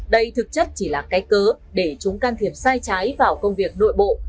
đây thực chất chỉ là cái cớ để chúng can thiệp sai trái vào công việc nội bộ